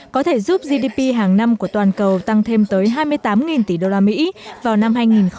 có thể giúp gdp hàng năm của toàn cầu tăng thêm tới hai mươi tám tỷ đô la mỹ vào năm hai nghìn hai mươi bốn